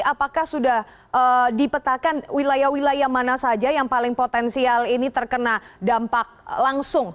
apakah sudah dipetakan wilayah wilayah mana saja yang paling potensial ini terkena dampak langsung